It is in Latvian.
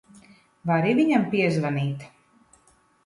Vari viņam piezvanīt?